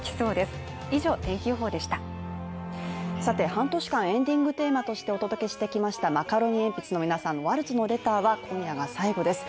半年間、エンディングテーマとしてお届けしてきましたマカロニえんぴつの皆さんの「ワルツのレター」は今夜が最後です。